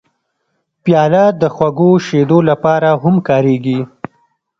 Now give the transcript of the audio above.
پیاله د خوږو شیدو لپاره هم کارېږي.